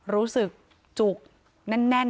รู้สึกจุกแน่น